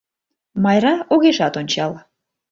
Майра огешат ончал.